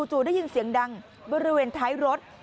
จู่ได้ยินเสียงดังบริเวณท้ายรถ